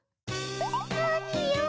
なによ！